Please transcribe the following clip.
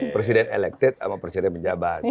presiden elected sama presiden menjabat